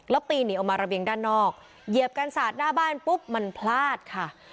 แล้วปีนหนีออกมาระเบียงด้านนอกเหยียบกันสาดหน้าบ้านปุ๊บมันพลาดค่ะ